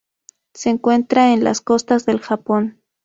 Se encuentra en las costas del Japón.